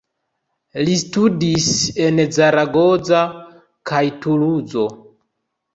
Li studis en Zaragoza kaj Tuluzo.